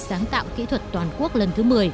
sáng tạo kỹ thuật toàn quốc lần thứ một mươi